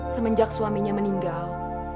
semenjak suaminya meninggal